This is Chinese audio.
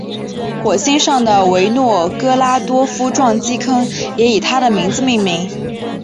火星上的维诺格拉多夫撞击坑也以他的名字命名。